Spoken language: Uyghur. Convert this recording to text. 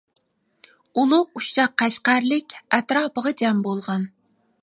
ئۇلۇغ ئۇششاق قەشقەرلىك، ئەتراپىغا جەم بولغان.